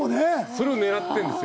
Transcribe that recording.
それを狙ってるんですよ。